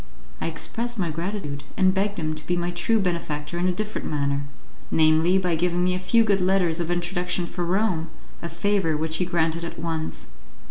I expressed my gratitude, and begged him to be my true benefactor in a different manner namely, by giving me a few good letters of introduction for Rome, a favour which he granted at once.